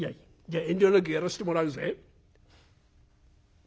じゃ遠慮なくやらしてもらうぜ」。